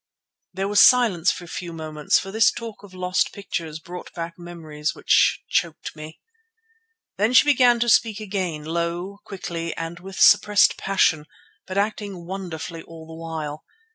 There was silence for a few moments, for this talk of lost pictures brought back memories which choked me. Then she began to speak again, low, quickly, and with suppressed passion, but acting wonderfully all the while.